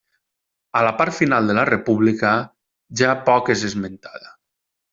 A la part final de la República ja poc és esmentada.